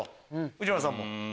内村さんも？